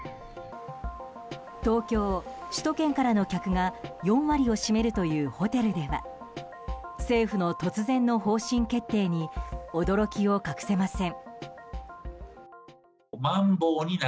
東京、首都圏からの客が４割を占めるというホテルでは政府の突然の方針決定に驚きを隠せません。